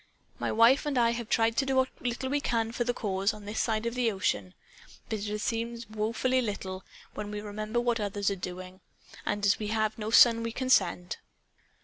My wife and I have tried to do what little we can for the Cause, on this side of the ocean. But it has seemed woefully little, when we remember what others are doing. And we have no son we can send."